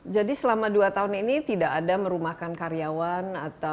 jadi selama dua tahun ini tidak ada merumahkan karyawan